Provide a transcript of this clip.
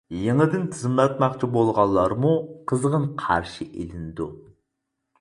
يېڭىدىن تىزىملاتماقچى بولغانلارمۇ قىزغىن قارشى ئېلىنىدۇ.